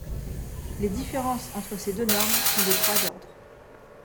Les différences entre ces deux normes sont de trois ordres.